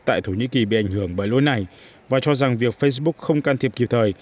tại thổ nhĩ kỳ bị ảnh hưởng bởi lỗi này và cho rằng việc facebook không can thiệp kịp thời